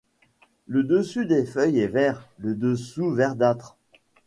Le dessus des feuilles est vert, le dessous verdâtre.